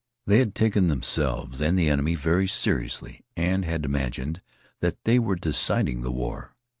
They had taken themselves and the enemy very seriously and had imagined that they were deciding the war.